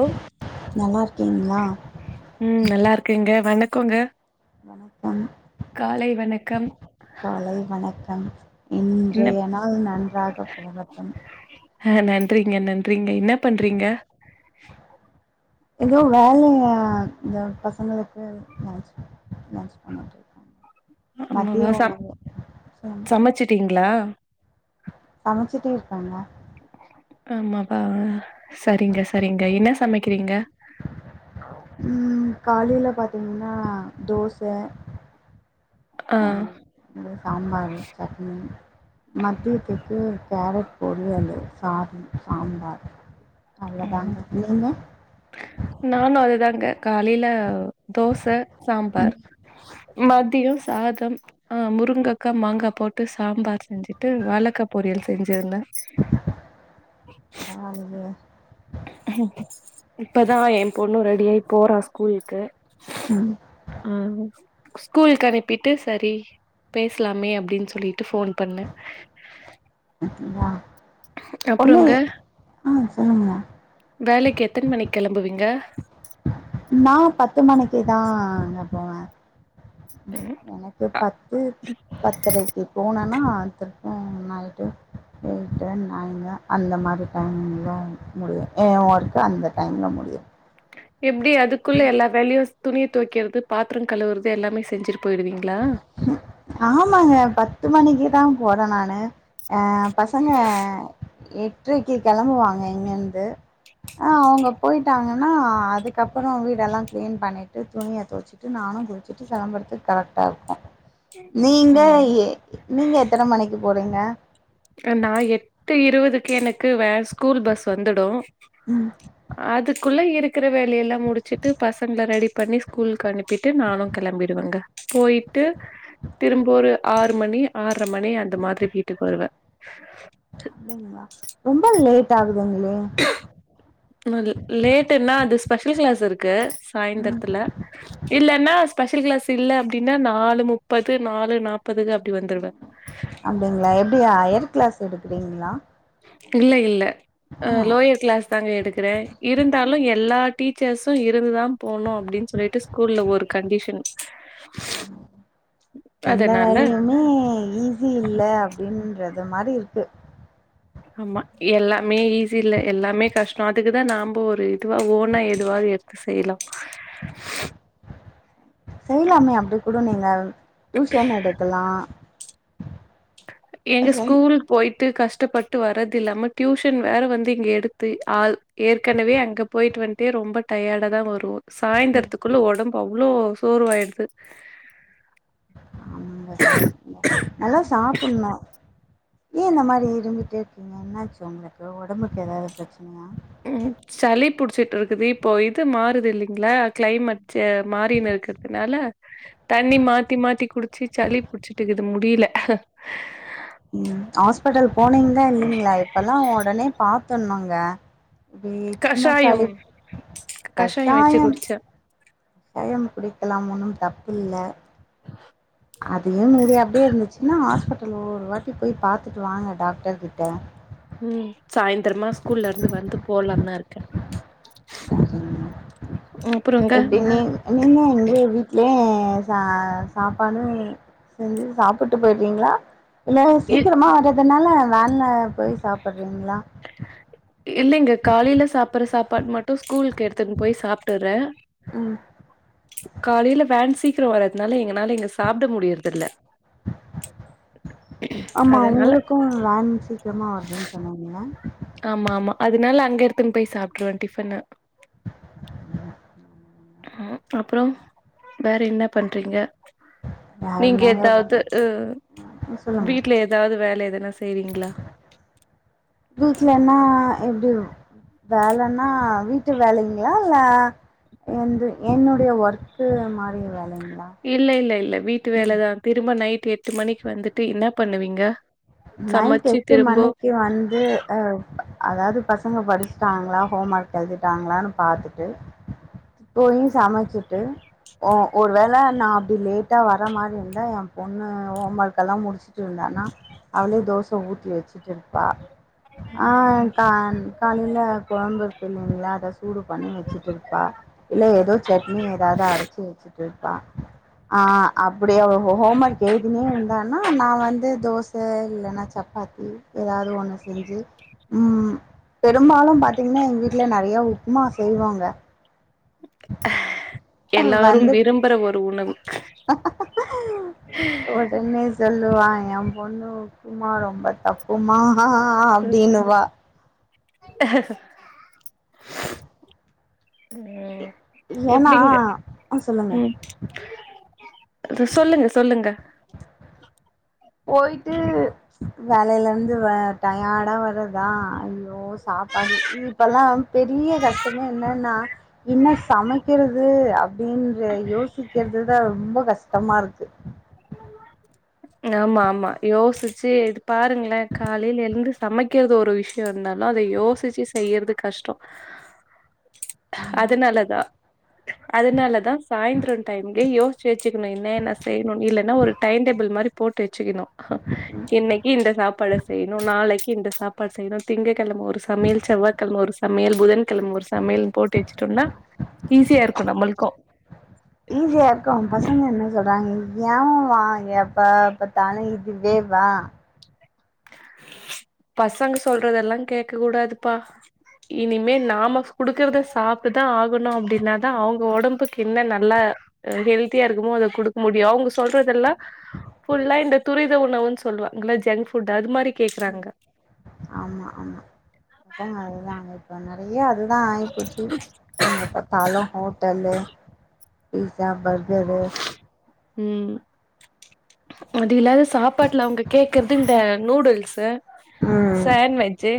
ஓ நல்லா இருக்கீங்களா ம் நல்லா இருக்கேங்க வணக்கோங்க வணக்கம் காலை வணக்கம் காலை வணக்கம் என்ன இன்றைய நாள் நன்றாக போகட்டும் ஆ நன்றிங்க நன்றிங்க என்ன பண்றீங்க ஏதோ வேல இந்த பசங்களுக்கு நாச்சுன் [unintelligible] மதிய உணவு செய்யணு ட்டிங்களா சமச்சிட்டே இருக்காங்க ஆமாபா சரிங்க சரிங்க என்ன சமைக்கிறீங்க ம் காலையில பாத்தீங்கன்னா தோச ஆ இங்க சாம்பாரு சட்னி மத்தியத்துக்கு கேரட் பொரியலு சார்ன் சாம்பார் ம் அவ்ளோதாங்க நீங்க நானு அதுதாங்க காலையில தோச ம். சாம்பார் சாம்பார். மதியோ சாதம் ஆ முருங்கக்கா மாங்கா போட்டு சாம்பார் செஞ்சுட்டு வாழக்கா பொரியல் செஞ்சிருந்தே [unintelligible] இப்பதா என் பொண்ணு ரெடியாயி போறா ஸ்கூலுக்கு ம். ம்ம் ஸ்கூல்க்கு அனுப்பிட்டு சரி பேசலாமே அப்டின் சொல்லிட்டு ஃபோன் பண்ணே அப்புறங்க ஒண்ணுனே ஆ சொல்லுங்மா வேலைக்கு எத்தன் மணிக் கெளம்புவீங்க நா பத்து மணிக்கு தாங்க போவே ம் எனக்கு பத்து பத்தரைக்கு போனன்னா திர் ம் நைட்டு எயட்டு நைனு அந்த மாரி டைமிங்கில முடியும் என் ஒர்க்கு அந்த டைம்ல முடியும் எப்படி அதுக்குள்ள எல்லா வேலயுஸ் துணி துவக்கிறது பாத்திரம் கழுவுறது எல்லாமே செஞ்சுட்டு போயிடுவீங்களா ம் ஆமாங்க பத்து மணிக்கு தா போறே நானு அ பசங்க எட்டரைக்கு கிளம்புவாங்க இங்க இருந்து ஆ அவங்க போயிட்டாங்கன்னா அதுக் கப்புறோ வீடெல்லா க்ளீன் பண்ணிட்டு துணிய துவச்சிட்டு நானு குளிச்சிட்டு கிளம்புறதுக்கு கரெக்டா இருக் நீங்க ம் ஏ நீங்க எத்தன மணிக்கு போறீங்க அ நா எட்டு இருவதுக்கு எனக்கு வே ஸ்கூல் பஸ் வந்துடு ம் அதுக்குள்ள இருக்குற வேலையெல்லா முடிச்சுட்டு பசங்கல ரெடி பண்ணி ஸ்கூலுக்கு அனுப்பிட்டு நானு கெளம்பிடுவங்க போயி ட்டு திரும்ப ஒரு ஆறு மணி ஆற்ர மணி அந்த மாதிரி வீட்டுக்கு வருவே அப்டிங்ளா ரொம்ப லேட் ஆகுதுங்ளே என்னது லேட்டுன்னா அது ஸ்பெஷல் கிளாஸ் இருக்கு ம் சாய்ந்தரத்துல இல்லன்னா ஸ்பெஷல் கிளாஸ் இல்ல அப்டினா நாலு முப்பது நாலு நாப்பதுக்கு அப்டி வந்துருவே அப்டிங்ளா எப்டி ஆ ஹையர் கிளாஸ் எடுக்குறீங்ளா இல்ல இல்ல அ லோயர் கிளாஸ் தாங்க எடுக்குறே இருந்தாலு எல்லா டீச்சர்ஸு இருந்துதா போனோ அப்டின் சொல்லிட்டு ஸ்கூல்ல ஒரு கண்டிஷன் எந்த அதனால வேலையுமே ஈஸி இல்ல அப்டின்றது மாரி இருக்கு ஆமா எல்லாமே ஈஸி இல்லா எல்லாமே கஷ்ட அதுக்குதா நாம்ப ஒரு இதுவா ஓனா எதுவாது எடுத்துக் [unintelligible] செய்லா செய்லாமே அப்டி கூட நீங்க டியூஷன் எடுக்கலா எங்க சரி ஸ்கூல் போய்ட்டு கஷ்டப்பட்டு வர்றதில்லாம டியூஷன் வேற வந்து இங்க எடுத்து ஆள் ஏற்கனவே அங்க போயிட்டு வந்ட்டே ரொம்ப டயர்டா தா வருவோ ம் சாய்ந்தரத்துக்குள்ள ஒடம்பு அவ்ளோ சோர்வாயிடுது ஆமாங்க சகோதரி நீங்க நல்லா சாப்புட்ணு ஏ இந்த மாரி இரும்பிட்டே இருக்கீங்க என்னாச்சு உங்களுக்கு ஒடம்புக்கு எதாவ்து பிரச்சனையா ம் சளி புடிச்சிட்ருக்குது இப்போ இது மாறுது இல்லைங்ளா கிளைமேட்டு மாறினு இருக்குறதுனால தண்ணி மாத்தி மாத்தி குடிச்சு சளி புடிச்சுட்டுக்குது முடியில ம் ஹாஸ்பட்டல் போனீங்ளா இல்லைங்ளா இப்பலா ஒடனே பாத்துர்ணுங்க வே சும்மா கஷாயம் சளிப் வச்சு கஷாயம் குடிச்சேன். கசாயம் குடிக்கலாம் ஒன்னும் தப்பு இல்ல அதையும் மீறி அப்டியே இருந்துச்சுனா ஹாஸ்பிட்டல்ல ஒரு வாட்டி போய் பாத்துட்டு வாங்க டாக்டர்கிட்ட ம் சாய்ந்தரமா ஸ்கூல்லருந்து வந்து போலான் தா இருக் அப்புறங்க எப்டி நீங் நீங்க எங்க ஒரு ஏ சா சாப்பானு செஞ்சு சாப்புட்டு போய்ட்றீங்ளா இல்ல இ சீக்கிரமா வர்றதுனால வேன்ல போயி சாப்புட்றீங்ளா இல்லைங்க காலைல சாப்புட்ற சாப்பாடு மட்டு ஸ்கூலுக்கு எடுத்துன் போயி சாப்ட்டுறே ம் காலைல வேன் சீக்கிர வர்றதுனால எங்கனால எங்க ஸ் சாப்ட முடியற்தில்ல அதனால ஸகூல் வேன் சீக் க்கரமா வருதுன் சொன்னாங்கெ ஆமாம்மா அதுனால அங்க எடுத்துன் போயி சாப்ட்ருவே டிஃபனு ஆ அப்றோ வேற என்ன பண்றீங்க வேற நீங்க என்னங்க பண்ண எதாவ்து ம் ம் சொல்லுங்க வீட்ல எதாவ்து வேல எதனா செய்றீங்ளா வீட்லனா எப்டி வேலன்னா வீட்டு வேலைங்களா இல்ல என்து என்னுடய ஒர்க்கு மாரிங்ளா இல்ல இல்ல இல்ல வீட்டு வேலதா திரும்ப நைட்டு் எட்டு மணிக்கு வந்துட்டு என்னா பண்ணுவீங்க நைட்டு சமைச்சு எட்டு திரும்ப மணிக்கு வந்து அ அதாது பசங்க படிச்சிட்டாங்களா ஹோம் ஒர்க் எழுதிட்டாங்களான்னு பாத்துட்டு போயீ சமச்சிட்டு ஒ ஒருவேள நா அப்டி லேட் டா வர்ர மாரி இருந்தா எ பொண்ணு ஹோம் ஒர்க்கெலா முடிச்சுட்டு இருந்தானா அவளே தோச ஊத்தி வச்சுட்ருப்பா ஆ கான் காலைல கொழம்பு இருக்கு இல்லிங்களா அத சூடு பண்ணி வச்சுட்ருப்பா இல்ல எதோ சட்னி ஏதாவது அரச்சி வச்சுட்டு இருப்பா ஆ அப்டி அவ ஹோ ஹோம் ஒர்க் எழுதினே இருந்தானா நா வந்து தோஸ் சே இல்லனா சப்பாத்தி எதாது ஒன்னு செஞ்சி ம் பெரும்பாலு பாத்திங்கன்னா எங்க வீட்ல நெறயா உப்புமா செய்வாங்க [inaudible] எல்லாரும் வந்து விரும்புற ஒரு உணவு ன்னே செல்லுவா எ பொண்ணு உப்புமா ரொம்ப தப்பு ஓ மாஹா அப்டின்னு வா அஹக அ ஏன்னா எப்டிங்க ஆ சொல்லுங்க. ம் தே சொல்லுங்க சொல்லுங்க போயிட்டு வேலைலந்து வே டயார்டா வர்ரதா ஐயோ ஓ சாப்பாடு இப்பெலா பெரிய கஷ்டமே என்னான்னா இன்னா சமக்கிறது அப்டின்ற யோசிக்கிறதுதா ரொம்ப கஷ்டமா இருக்கு ம்மா ஆமா ஆமா யோசிச்சி இது பாருங்களே காலைல எழுந்து சமக்கிறது ஒரு விஷ் இருந்தாலு அத யோசிச்சி செய்யறது கஷ்டோ ஆமா அதுனால தா அதனால தா சாயந்தரோ டைம்லே யோச் சி வச்சிகணு என்ன என்னா செய்ணு இல்லனா ஒரு டைம் டேபிள் மாரிப் போட்டு வச்சுக்கணு அ இன்னிக்கி இந்த சாப்பாட செய்ணு நாளக்கி இந்த சாப் பாடு செய்ணு திங்கக்கெழம ஒரு சமயல் செவ்வாக்கெழம ஒரு ச மயல் புதன் கெழம ஒரு சமயல் போட்டு வச்சுட்டோனா ஈஸியா இருக்கு நம்மளுக்கு ஈஸியா இருக்கு பசங்க என்ன சொல்றாங்கங் ஏமா எ எப்பபாத்தாலு இதுவே வா பசங்க சொல்றதெல்லா கேக்க கூடாதுபா இனிமே நாம குடுக்குறத சாப்ட்டுதா ஆகணு அப்டின்னாதா அவுங்க ஒடம்புக்கு இன்ன நல்லா எ ஹெல்தியா இருக்குமோ அத குடுக்க முடியு அவுங்க சொல்றதெல்லா ஃபுல்லா இந்த துரித உணவுனு சொல்லுவ ங்கள ஜங்க் ஃபுட் அது மாரி கேக்குறாங்க ஆமா ஆமா அதுதா அதுதா இப்ப நெறைய அதுதா ஆயிப்போச்சு எங்க பாத்தாலு ஹோட்டல்லு பீசா பர்கரூ ம் அது இல்லாது சாப்பாட்டுல அவுங்க கேக்குறது இந்த நூடுல்ஸு ம் சாண்ட் வெஜ்ஜி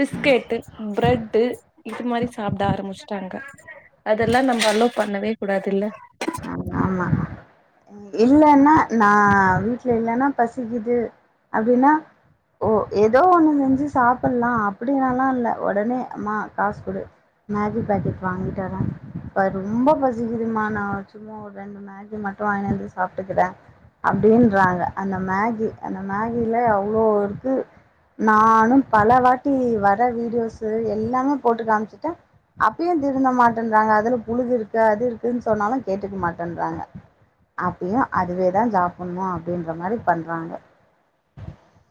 பிஸ்கெட்டு பிரெட்டு இது மாரி சாப்ட ஆரம்பிச்சுட்டாங்க அதெல்லா நம்ம அலோ பண்ணவே கூடாது இல்ல [inaudible] ஆமா இல்லான்னா நா வீட்ல இல்லன்னா பசிக்குது அப்டின்னா ஓ எதோ ஒண்ணு செஞ்சு சாப்லா அப்டின்னெல்லா இல்லா ஒடனே அம்மா காசு குடு மேஜி பேக்கெட் வாங்கிட்டரே மா ரொம்ப பசிகுதுமா நா சும்மா ஒரு ரெண்டு மேகி மட்டு வாங்கினந்து சாப்ட்டுக்கிறே அப்டீன்றாங்க அந்த மேகி அந்த மேகில அவ்ளோ இருக்கு நானு பல வாட்டி வர வீடியோஸ்சு எல்லாமே போட்டு காமிச்சுட்டே அப்பயு திருந்த மாட்டேன்றாங்க அதுல புழுகு இருக்கு அது இருக்குன்னு சொன்னாலு கேட்டுக்க மாட்டேன்றாங்க அப்பயு அதுவே தா சாப்ண்ணு அப்டின்ற மாரி பண்றாங்க